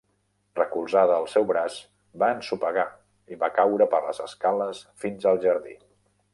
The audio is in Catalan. Recolzada al seu braç, va ensopegar i va caure per les escales fins al jardí.